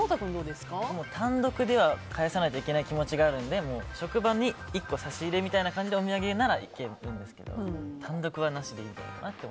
単独では返さないといけない気持ちがあるので職場に１個差し入れみたいな感じのお土産ならいけるんですけど単独はなしです。